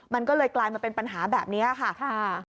มันก็เลยกลายมาเป็นปัญหาแบบนี้ค่ะ